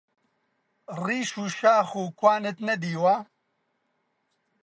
ڕیش و شاخ و گوانت نەدیوە؟!